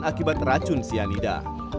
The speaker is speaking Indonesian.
akibat racun cyanida